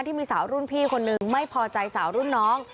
ที่มีสาวรุ่นพี่คนนึงไม่พอใจสาวรุ่นน้อง